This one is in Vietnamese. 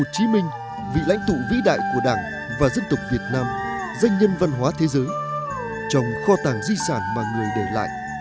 chí minh vị lãnh thủ vĩ đại của đảng và dân tộc việt nam doanh nhân văn hóa thế giới trọng kho tàng di sản mà người để lại